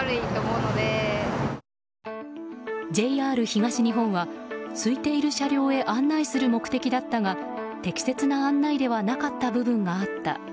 ＪＲ東日本はすいている車両へ案内する目的だったが適切な案内ではなかった部分があった。